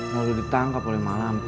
lalu ditangkap oleh malampir